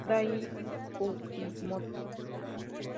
Dai Fujimoto